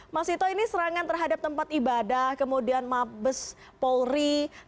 mas vito ini serangan terhadap tempat ibadah kemudian mabespol rijakarta